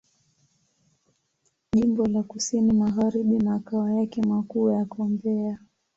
Jimbo la Kusini Magharibi Makao yake makuu yako Mbeya.